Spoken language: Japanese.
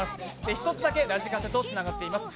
１つだけラジカセとつながっています。